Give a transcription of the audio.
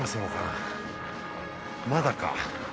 まだか